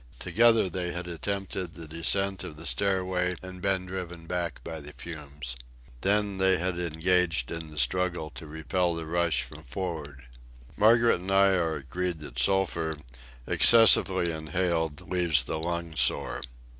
Together they had attempted the descent of the stairway and been driven back by the fumes. Then they had engaged in the struggle to repel the rush from for'ard. Margaret and I are agreed that sulphur, excessively inhaled, leaves the lungs sore.